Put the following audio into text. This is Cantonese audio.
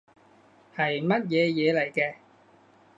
係乜嘢嘢嚟嘅